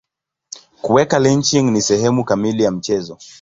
Kuweka lynching ni sehemu kamili ya mchezo.